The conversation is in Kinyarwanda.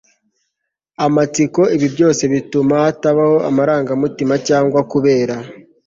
amatsiko. ibi byose bituma hatabaho amarangamutima cyangwa kubera